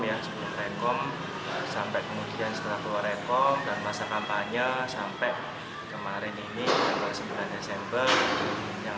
yang sebelum rekom sampai kemudian setelah keluar ekor dan masa kampanye sampai kemarin ini yang